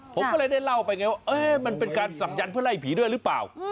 ผมก็เลยได้เล่าไปไงว่ามันเป็นการศักยันต์เพื่อไล่ผีด้วยหรือเปล่า